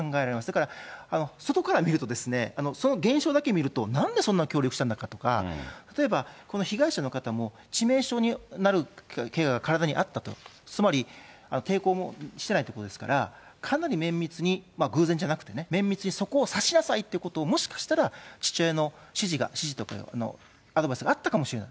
だから、外から見ると、その現象だけ見ると、なんでそんな協力したんだとか、例えば、この被害者の方も、致命傷になるけがが体にあったと、つまり抵抗もしてないってことですから、かなり綿密に偶然じゃなくてね、綿密にそこを刺しなさいってことを、もしかしたら、父親の指示が、指示というかアドバイスがあったかもしれない。